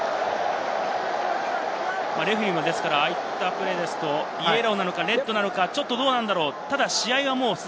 レフェリーもああいったプレーですと、イエローなのかレッドなのか、ちょっとどうなのだろう。